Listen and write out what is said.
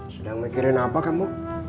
sudah mikirin apa kamu